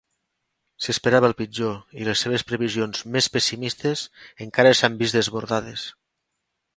S'esperava el pitjor i les seves previsions més pessimistes encara s'han vist desbordades.